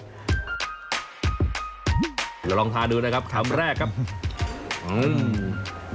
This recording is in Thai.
เดี๋ยวลองทาดูนะครับคำแรกครับอืม